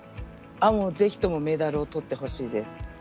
ぜひともメダルをとってほしいです。